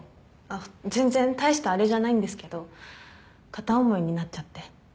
あっ全然大したあれじゃないんですけど片思いになっちゃって。